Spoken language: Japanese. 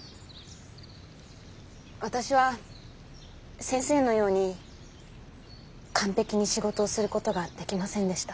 私は先生のように完璧に仕事をすることができませんでした。